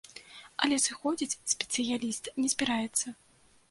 Але сыходзіць спецыяліст не збіраецца.